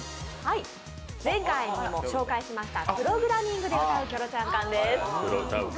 前回にも紹介しましたプログラミングで歌うキョロちゃん缶です。